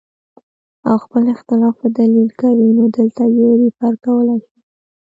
او خپل اختلاف پۀ دليل کوي نو دلته ئې ريفر کولے شئ